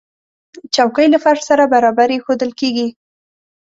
چوکۍ له فرش سره برابرې ایښودل کېږي.